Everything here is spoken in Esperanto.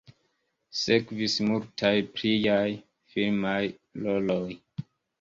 Sekvis multaj pliaj filmaj roloj.